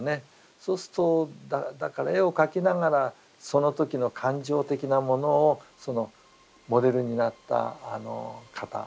そうするとだから絵を描きながらその時の感情的なものをモデルになった方